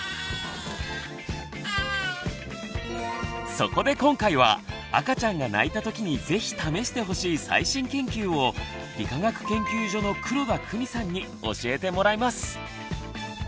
そこで今回は赤ちゃんが泣いたときにぜひ試してほしい最新研究を理化学研究所の黒田公美さんに教えてもらいます！